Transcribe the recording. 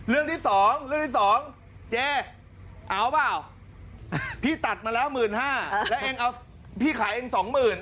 เรื่องที่สองเรื่องที่สองเจ๊เอาป่าวพี่ตัดมาแล้วหมื่นห้าแล้วแอ้งเอาพี่ขายเองสองหมื่น